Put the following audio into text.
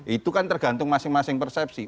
itu kan tergantung masing masing persepsi